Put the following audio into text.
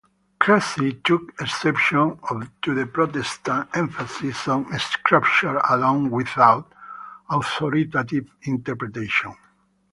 Cressy took exception to the Protestant emphasis on scripture alone without authoritative interpretation.